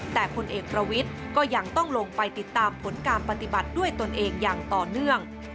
แต่พลเอกประวิทย์ก็ยังต้องลงไปติดตามผลการปฏิบัติด้วยตนเองอย่างต่อเนื่อง